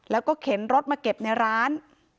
แล้วก็เข็นรถมาเก็บในร้าน